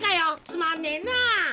つまんねえな！